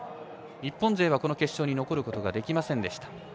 日本勢は、この決勝に残ることはできませんでした。